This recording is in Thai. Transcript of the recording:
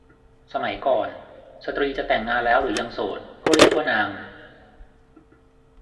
สมัยก่อนสตรีจะแต่งงานแล้วหรือยังโสด ก็เรียกว่านาง